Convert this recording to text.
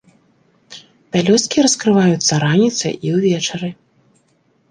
Пялёсткі раскрываюцца раніцай і ўвечары.